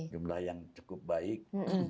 jumlah yang cukup baik